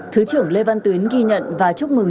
thứ trưởng lê văn tuyến ghi nhận và chúc mừng